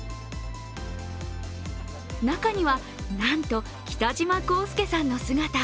中にはなんと、北島康介さんの姿。